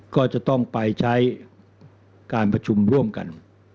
ก็จะต้องไปใช้การประชุมร่วมกัน